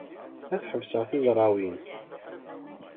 Ad ḥebseɣ tizrawin.